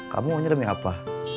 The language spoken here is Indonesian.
kamu hanya demi apa